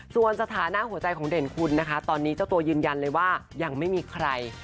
ส่วนสถานะหัวใจของเด่นคุณนะคะตอนนี้เจ้าตัวยืนยันเลยว่ายังไม่มีใคร